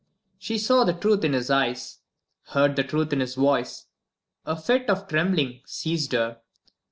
She saw the truth in his eyes, heard the truth in his voice. A fit of trembling seized her.